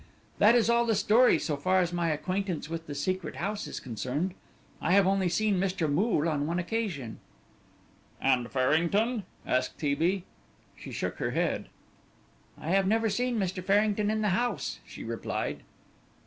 That is all the story so far as my acquaintance with the Secret House is concerned. I have only seen Mr. Moole on one occasion." "And Farrington?" asked T. B. She shook her head. "I have never seen Mr. Farrington in the house," she replied.